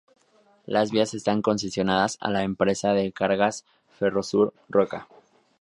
Las vías están concesionadas a la empresa de cargas Ferrosur Roca.